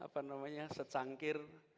apa namanya secangkir